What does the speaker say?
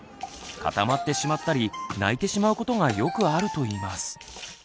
固まってしまったり泣いてしまうことがよくあるといいます。